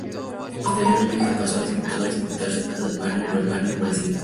Posteriormente paso a disputarse cada año en Blumenau, Brasil.